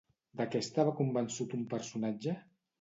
De què estava convençut un personatge?